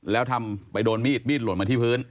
แล้วทำไปโดนมีดมีดหล่นมาที่พื้น